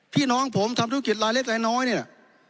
พี่น้องผมทำธุรกิจหลายเล็กหลายน้อยเนี่ย